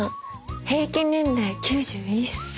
平均年齢９１歳。